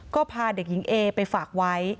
ก็พาเด็กหญิงเอไปฝากไว้